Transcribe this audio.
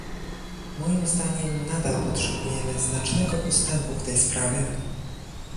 Moim zdaniem nadal potrzebujemy znacznego postępu w tej sprawie